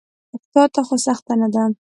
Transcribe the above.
تاته خو سخته نه ده.